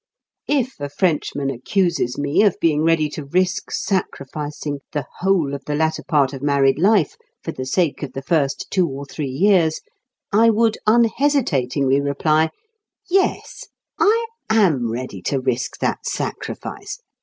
If a Frenchman accuses me of being ready to risk sacrificing the whole of the latter part of married life for the sake of the first two or three years, I would unhesitatingly reply: "Yes, I am ready to risk that sacrifice.